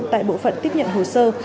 tại bộ phận tiếp nhận hồ sơ